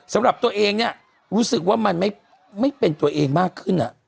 สำหรับตัวเองเนี่ยรู้สึกว่ามันไม่เป็นตัวเองมากขึ้น